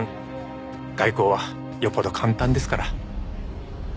外交はよっぽど簡単ですから。